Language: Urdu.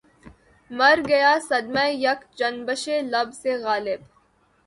مرگیا صدمہٴ یک جنبشِ لب سے غالب